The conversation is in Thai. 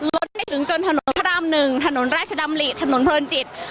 ลดได้ถึงจนถนนพระรามหนึ่งถนนราชดำลีถนนเผลินจิต